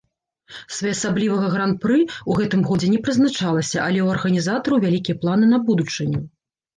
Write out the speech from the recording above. Своеасаблівага гран-пры ў гэтым годзе не прызначалася, але ў арганізатараў вялікія планы на будучыню.